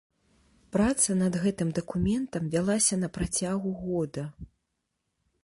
Праца над гэтым дакументам вялася на працягу года.